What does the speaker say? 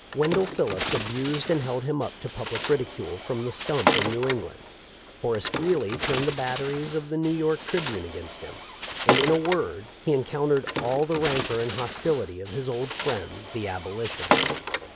Wendell Phillips abused and held him up to public ridicule from the stump in New England. Horace Greeley turned the batteries of the New York Tribune against him ; and, in a word, he encountered all the rancor and hostility of his old friends the Abolitionists.